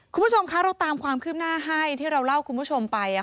คุณผู้ชมคะเราตามความคืบหน้าให้ที่เราเล่าคุณผู้ชมไป